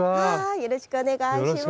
よろしくお願いします。